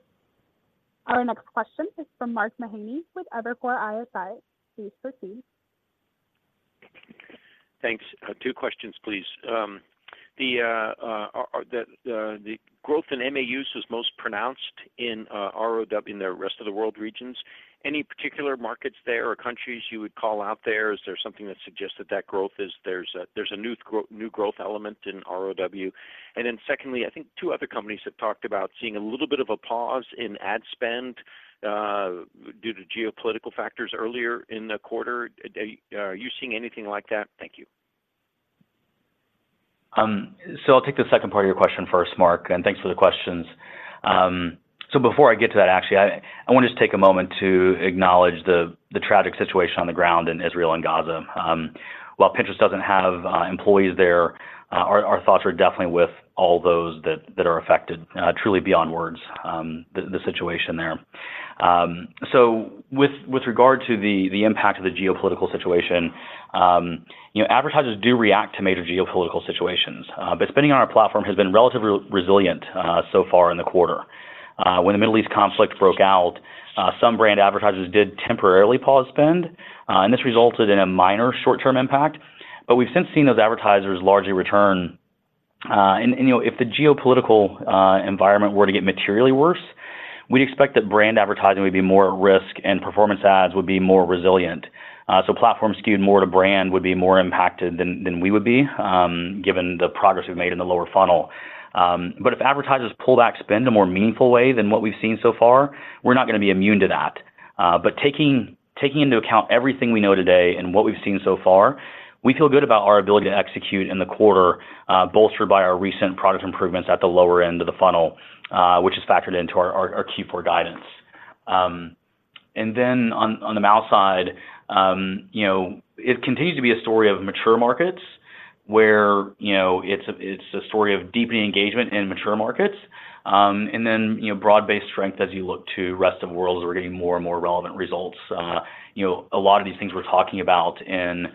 Our next question is from Mark Mahaney with Evercore ISI. Please proceed. Thanks. Two questions, please. The growth in MAUs was most pronounced in ROW, in the rest of the world regions. Any particular markets there or countries you would call out there? Is there something that suggests that that growth is... There's a new growth element in ROW? And then secondly, I think two other companies have talked about seeing a little bit of a pause in ad spend due to geopolitical factors earlier in the quarter. Are you seeing anything like that? Thank you. So I'll take the second part of your question first, Mark, and thanks for the questions. So before I get to that, actually, I want to just take a moment to acknowledge the tragic situation on the ground in Israel and Gaza. While Pinterest doesn't have employees there, our thoughts are definitely with all those that are affected. Truly beyond words, the situation there. So with regard to the impact of the geopolitical situation, you know, advertisers do react to major geopolitical situations, but spending on our platform has been relatively resilient, so far in the quarter. When the Middle East conflict broke out, some brand advertisers did temporarily pause spend, and this resulted in a minor short-term impact, but we've since seen those advertisers largely return. And you know, if the geopolitical environment were to get materially worse, we'd expect that brand advertising would be more at risk and performance ads would be more resilient. So platforms skewed more to brand would be more impacted than we would be, given the progress we've made in the lower funnel. But if advertisers pull back spend a more meaningful way than what we've seen so far, we're not going to be immune to that. But taking into account everything we know today and what we've seen so far, we feel good about our ability to execute in the quarter, bolstered by our recent product improvements at the lower end of the funnel, which is factored into our Q4 guidance. And then on the MAU side, you know, it continues to be a story of mature markets where, you know, it's a story of deepening engagement in mature markets. And then, you know, broad-based strength as you look to Rest of World as we're getting more and more relevant results. You know, a lot of these things we're talking about in,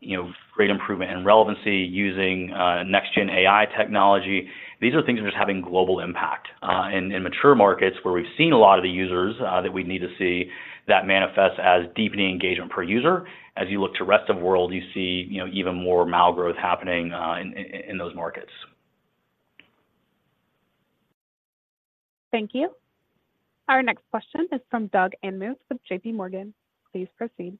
you know, great improvement in relevancy using next gen AI technology, these are things that are just having global impact. In mature markets where we've seen a lot of the users that we need to see, that manifests as deepening engagement per user. As you look to Rest of World, you see, you know, even more MAU growth happening in those markets. Thank you. Our next question is from Doug Anmuth with JPMorgan. Please proceed.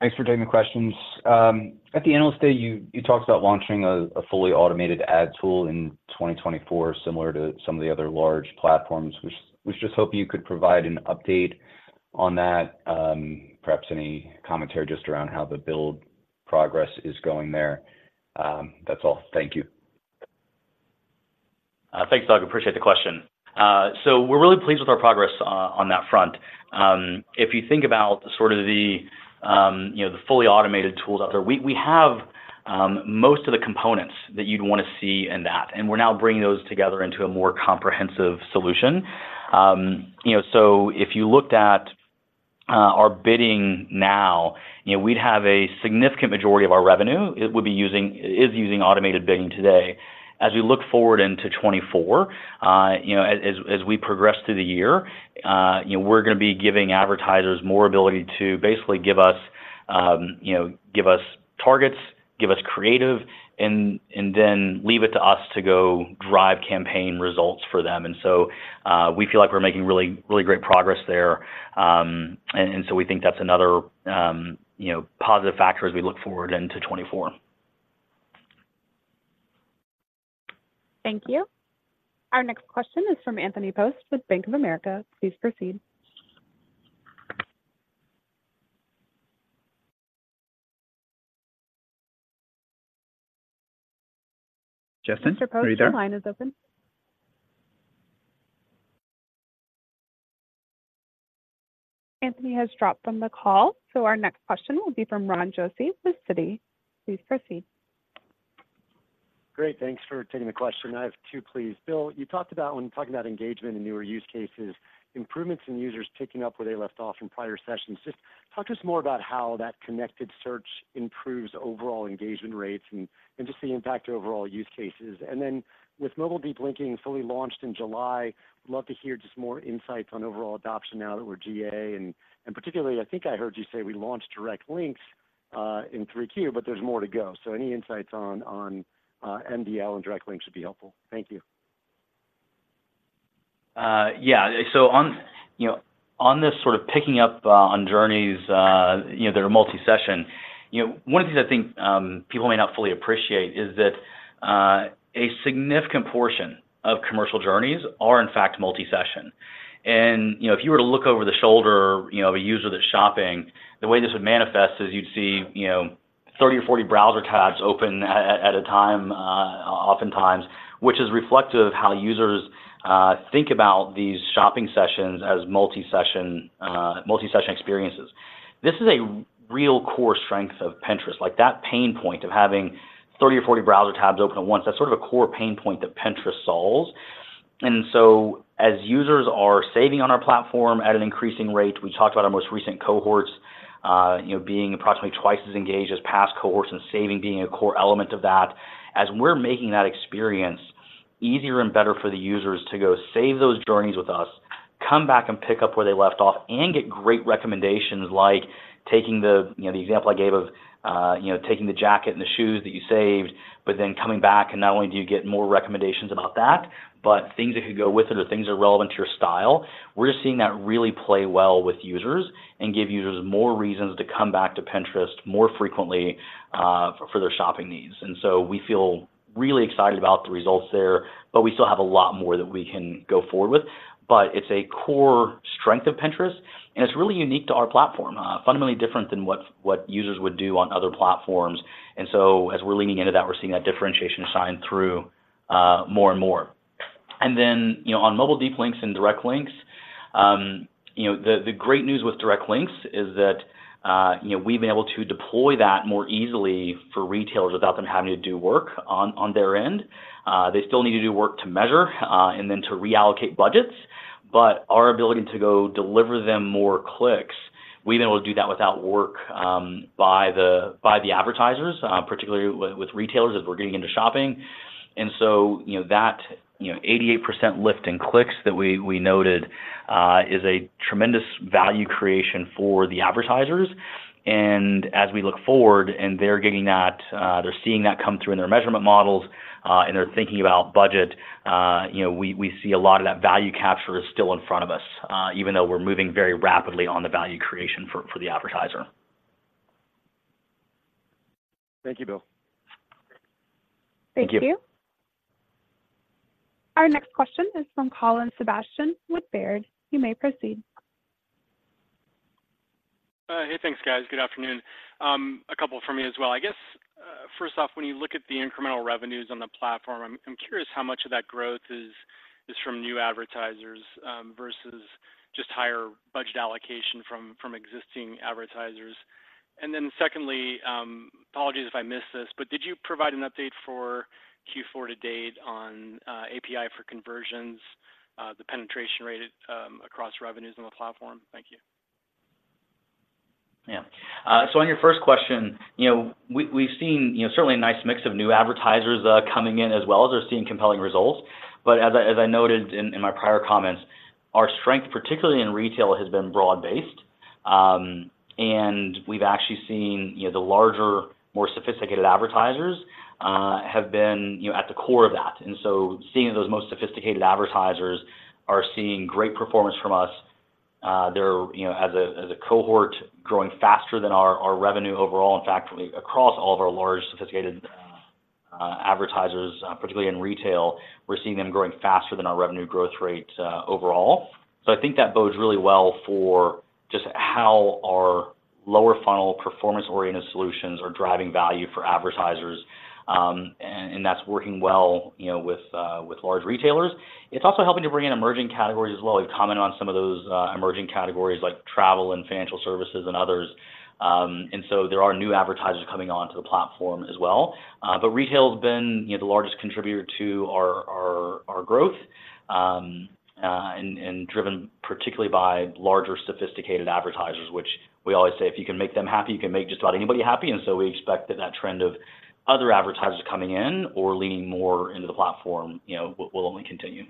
Thanks for taking the questions. At the Analyst Day, you talked about launching a fully automated ad tool in 2024, similar to some of the other large platforms. Was just hoping you could provide an update on that, perhaps any commentary just around how the build progress is going there. That's all. Thank you. Thanks, Doug. Appreciate the question. So we're really pleased with our progress on that front. If you think about sort of the, you know, the fully automated tools out there, we have most of the components that you'd want to see in that, and we're now bringing those together into a more comprehensive solution. You know, so if you looked at our bidding now, you know, we'd have a significant majority of our revenue, it is using automated bidding today. As we look forward into 2024, you know, as we progress through the year, you know, we're going to be giving advertisers more ability to basically give us, you know, give us targets, give us creative, and then leave it to us to go drive campaign results for them. And so, we feel like we're making really, really great progress there. And so we think that's another, you know, positive factor as we look forward into 2024. Thank you. Our next question is from Anthony Post with Bank of America. Please proceed. Justin, are you there? Mr. Post, the line is open. Anthony has dropped from the call, so our next question will be from Ron Josey with Citi. Please proceed. Great. Thanks for taking the question. I have two, please. Bill, you talked about when talking about engagement in newer use cases, improvements in users picking up where they left off in prior sessions. Just talk to us more about how that connected search improves overall engagement rates and just the impact to overall use cases. And then with Mobile Deep Links fully launched in July, love to hear just more insights on overall adoption now that we're GA. And particularly, I think I heard you say we launched Direct Links in Q3, but there's more to go. So any insights on MDL and Direct Links would be helpful. Thank you. Yeah. So on, you know, on this sort of picking up on journeys, you know, that are multi-session, you know, one of the things I think people may not fully appreciate is that a significant portion of commercial journeys are in fact multi-session. And, you know, if you were to look over the shoulder, you know, of a user that's shopping, the way this would manifest is you'd see, you know, 30 or 40 browser tabs open at a time, oftentimes, which is reflective of how users think about these shopping sessions as multi-session, multi-session experiences. This is a real core strength of Pinterest, like that pain point of having 30 or 40 browser tabs open at once. That's sort of a core pain point that Pinterest solves. And so as users are saving on our platform at an increasing rate, we talked about our most recent cohorts, you know, being approximately twice as engaged as past cohorts, and saving being a core element of that. As we're making that experience easier and better for the users to go save those journeys with us, come back and pick up where they left off, and get great recommendations like taking the example I gave of taking the jacket and the shoes that you saved, but then coming back and not only do you get more recommendations about that, but things that could go with it or things that are relevant to your style. We're seeing that really play well with users and give users more reasons to come back to Pinterest more frequently for their shopping needs. We feel really excited about the results there, but we still have a lot more that we can go forward with. It's a core strength of Pinterest, and it's really unique to our platform, fundamentally different than what users would do on other platforms. As we're leaning into that, we're seeing that differentiation shine through, more and more. Then, you know, on Mobile Deep Links and Direct Links, you know, the great news with Direct Links is that, you know, we've been able to deploy that more easily for retailers without them having to do work on their end. They still need to do work to measure, and then to reallocate budgets, but our ability to go deliver them more clicks, we've been able to do that without work, by the, by the advertisers, particularly with, with retailers as we're getting into shopping.... And so, you know, that, you know, 88% lift in clicks that we, we noted, is a tremendous value creation for the advertisers. And as we look forward and they're getting that, they're seeing that come through in their measurement models, and they're thinking about budget, you know, we, we see a lot of that value capture is still in front of us, even though we're moving very rapidly on the value creation for, for the advertiser. Thank you, Bill. Thank you. Thank you. Our next question is from Colin Sebastian with Baird. You may proceed. Hey, thanks, guys. Good afternoon. A couple from me as well. I guess, first off, when you look at the incremental revenues on the platform, I'm curious how much of that growth is from new advertisers versus just higher budget allocation from existing advertisers? And then secondly, apologies if I missed this, but did you provide an update for Q4 to date on API for Conversions, the penetration rate across revenues on the platform? Thank you. Yeah. So on your first question, you know, we, we've seen, you know, certainly a nice mix of new advertisers, coming in, as well as they're seeing compelling results. But as I, as I noted in, in my prior comments, our strength, particularly in retail, has been broad-based. And we've actually seen, you know, the larger, more sophisticated advertisers, have been, you know, at the core of that. And so seeing those most sophisticated advertisers are seeing great performance from us, they're, you know, as a, as a cohort, growing faster than our, our revenue overall. In fact, across all of our large sophisticated, advertisers, particularly in retail, we're seeing them growing faster than our revenue growth rate, overall. So I think that bodes really well for just how our lower funnel performance-oriented solutions are driving value for advertisers, and that's working well, you know, with large retailers. It's also helping to bring in emerging categories as well. We've commented on some of those emerging categories like travel and financial services and others. And so there are new advertisers coming onto the platform as well. But retail has been the largest contributor to our growth, and driven particularly by larger, sophisticated advertisers, which we always say, if you can make them happy, you can make just about anybody happy. And so we expect that that trend of other advertisers coming in or leaning more into the platform, you know, will only continue.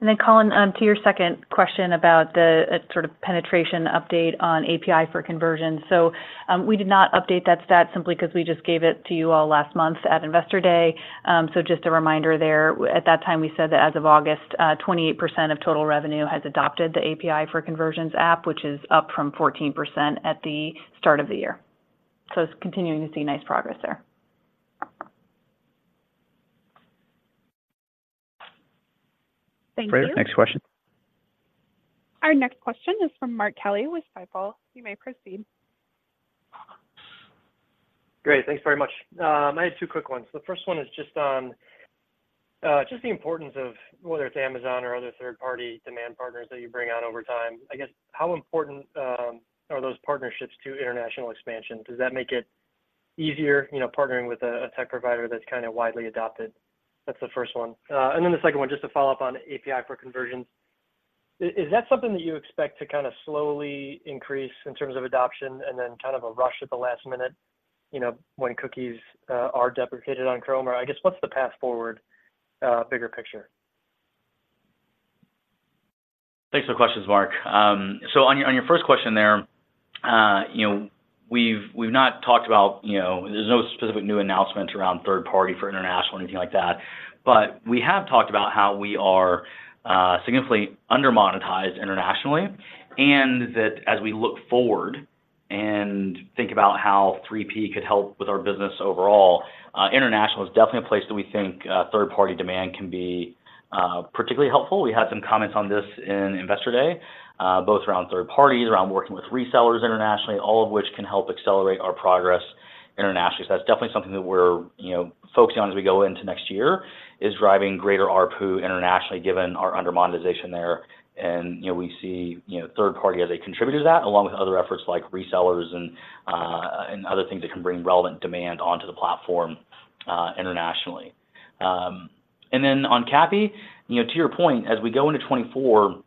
Then, Colin, to your second question about the sort of penetration update on API for Conversions. So, we did not update that stat simply because we just gave it to you all last month at Investor Day. So just a reminder there, at that time, we said that as of August, 28% of total revenue has adopted the API for Conversions app, which is up from 14% at the start of the year. So it's continuing to see nice progress there. Thank you. Great. Next question. Our next question is from Mark Kelley with Stifel. You may proceed. Great. Thanks very much. I have two quick ones. The first one is just on just the importance of whether it's Amazon or other third-party demand partners that you bring on over time. I guess, how important are those partnerships to international expansion? Does that make it easier, you know, partnering with a tech provider that's kind of widely adopted? That's the first one. And then the second one, just to follow up on API for Conversions. Is that something that you expect to kind of slowly increase in terms of adoption and then kind of a rush at the last minute, you know, when cookies are deprecated on Chrome? Or I guess, what's the path forward, bigger picture? Thanks for the questions, Mark. So on your first question there, you know, we have not talked about, you know... There's no specific new announcement around third party for international or anything like that, but we have talked about how we are significantly under-monetized internationally, and that as we look forward and think about how 3P could help with our business overall, international is definitely a place that we think, third-party demand can be particularly helpful. We had some comments on this in Investor Day, both around third parties, around working with resellers internationally, all of which can help accelerate our progress internationally. So that's definitely something that we're, you know, focusing on as we go into next year, is driving greater ARPU internationally, given our under-monetization there. You know, we see, you know, third party as a contributor to that, along with other efforts like resellers and other things that can bring relevant demand onto the platform internationally. And then on CAPI, you know, to your point, as we go into 2024,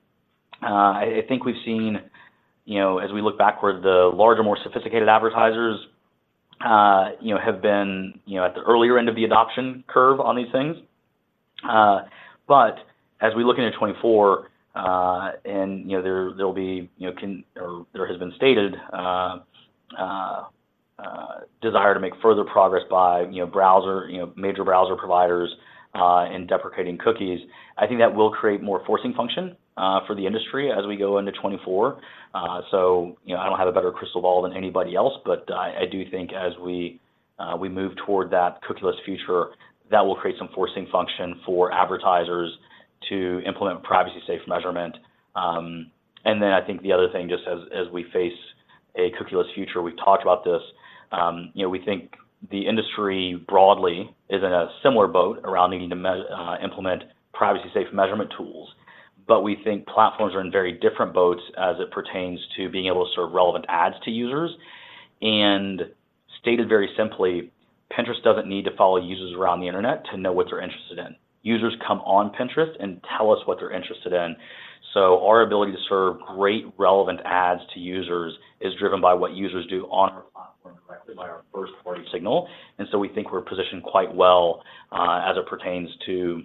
I think we've seen, you know, as we look backward, the larger, more sophisticated advertisers, you know, have been, you know, at the earlier end of the adoption curve on these things. But as we look into 2024, and, you know, there'll be, you know, or there has been stated desire to make further progress by, you know, browser major browser providers in deprecating cookies. I think that will create more forcing function for the industry as we go into 2024. So, you know, I don't have a better crystal ball than anybody else, but I do think as we move toward that cookieless future, that will create some forcing function for advertisers to implement privacy-safe measurement. And then I think the other thing, just as we face a cookieless future, we've talked about this. You know, we think the industry broadly is in a similar boat around the need to implement privacy-safe measurement tools, but we think platforms are in very different boats as it pertains to being able to serve relevant ads to users. And stated very simply, Pinterest doesn't need to follow users around the internet to know what they're interested in. Users come on Pinterest and tell us what they're interested in. So our ability to serve great relevant ads to users is driven by what users do on our platform directly by our first-party signal. And so we think we're positioned quite well, as it pertains to,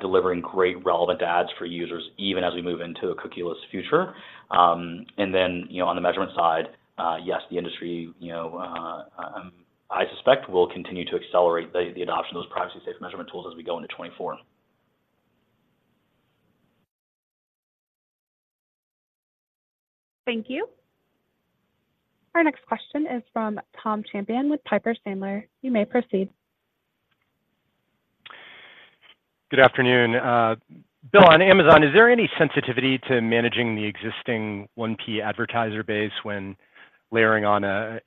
delivering great relevant ads for users, even as we move into a cookie-less future. And then, you know, on the measurement side, yes, the industry, you know, I suspect will continue to accelerate the adoption of those privacy safe measurement tools as we go into 2024. Thank you. Our next question is from Tom Champion with Piper Sandler. You may proceed. Good afternoon. Bill, on Amazon, is there any sensitivity to managing the existing 1P advertiser base when layering on a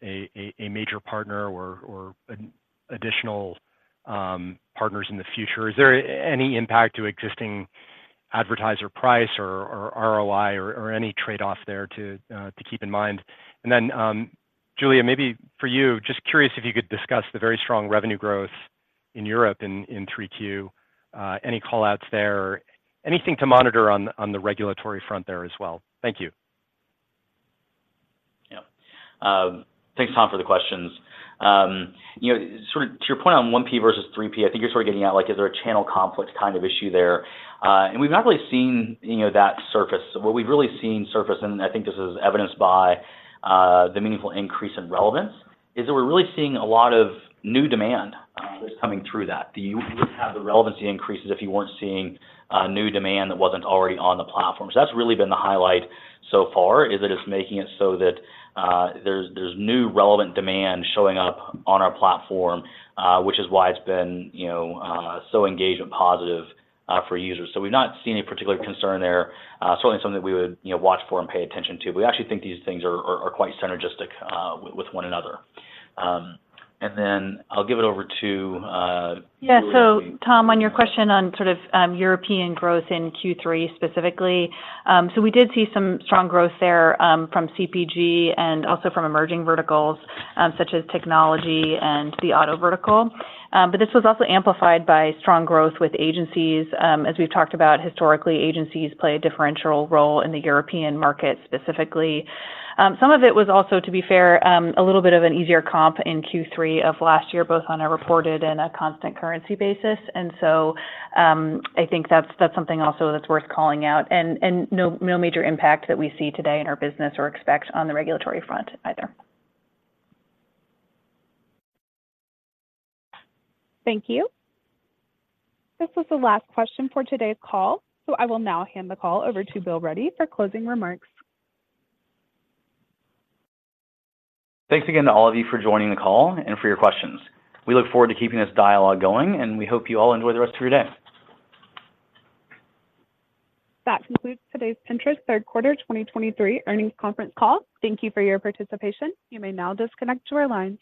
major partner or an additional partners in the future? Is there any impact to existing advertiser price or ROI or any trade-off there to keep in mind? And then, Julia, maybe for you, just curious if you could discuss the very strong revenue growth in Europe in 3Q. Any call-outs there? Anything to monitor on the regulatory front there as well? Thank you. Yeah. Thanks, Tom, for the questions. You know, sort of to your point on 1P versus 3P, I think you're sort of getting at, like, is there a channel conflict kind of issue there? And we've not really seen, you know, that surface. What we've really seen surface, and I think this is evidenced by the meaningful increase in relevance, is that we're really seeing a lot of new demand that's coming through that. You wouldn't have the relevancy increases if you weren't seeing new demand that wasn't already on the platform. So that's really been the highlight so far, is that it's making it so that there's new relevant demand showing up on our platform, which is why it's been, you know, so engagement positive for users. So we've not seen any particular concern there. Certainly something that we would, you know, watch for and pay attention to. We actually think these things are quite synergistic with one another. And then I'll give it over to, Yeah. So Tom, on your question on sort of European growth in Q3 specifically, so we did see some strong growth there, from CPG and also from emerging verticals, such as technology and the auto vertical. But this was also amplified by strong growth with agencies. As we've talked about, historically, agencies play a differential role in the European market, specifically. Some of it was also, to be fair, a little bit of an easier comp in Q3 of last year, both on a reported and a constant currency basis. And so, I think that's something also that's worth calling out, and no major impact that we see today in our business or expect on the regulatory front either. Thank you. This was the last question for today's call, so I will now hand the call over to Bill Ready for closing remarks. Thanks again to all of you for joining the call and for your questions. We look forward to keeping this dialogue going, and we hope you all enjoy the rest of your day. That concludes today's Pinterest third quarter 2023 earnings conference call. Thank you for your participation. You may now disconnect your lines.